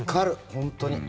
本当に。